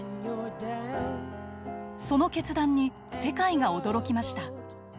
その決断に世界が驚きました。